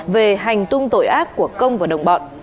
về hành tung tội ác của công và đồng bọn